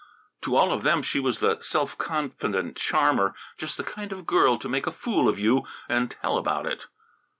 To all of them she was the self confident charmer; just the kind of a girl to make a fool of you and tell about it.